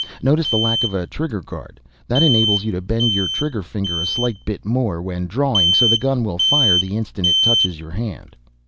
Notice the lack of a trigger guard. That enables you to bend your trigger finger a slight bit more when drawing so the gun will fire the instant it touches your hand."